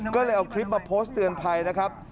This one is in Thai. ก็เลยเอาคลิปมาโพสต์เตือนภัยนะครับ